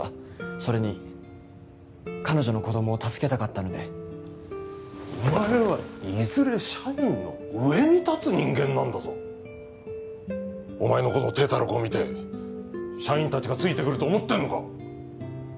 それに彼女の子どもを助けたかったのでお前はいずれ社員の上に立つ人間なんだぞお前のこの体たらくを見て社員達がついてくると思ってんのか？